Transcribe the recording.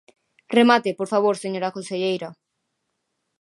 Remate, por favor, señora conselleira.